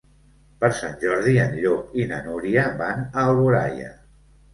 Per Sant Jordi en Llop i na Núria van a Alboraia.